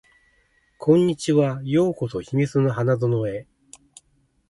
こんにちは。ようこそ秘密の花園へ